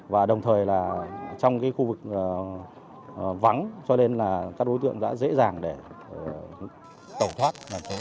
và đồng thời là trong khu vực vắng cho nên là các đối tượng đã dễ dàng để tẩu thoát